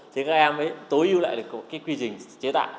thì các em mới tối ưu lại được cái quy trình chế tạo